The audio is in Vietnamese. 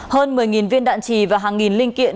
hơn một mươi viên đạn trì và hàng nghìn kiện